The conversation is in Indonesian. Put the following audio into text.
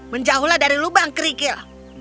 menjauhlah dari lubang kerikil